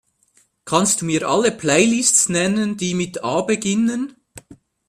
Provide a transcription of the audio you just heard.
Kannst Du mir alle Playlists nennen, die mit A beginnen?